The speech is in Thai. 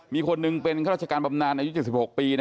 มีคนหนึ่งคือราชการปำนานอายุ๗๖ปี